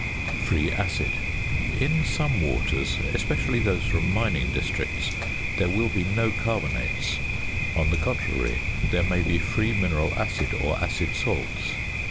~Free Acid.~ In some waters (especially those from mining districts) there will be no carbonates. On the contrary, there may be free mineral acid or acid salts.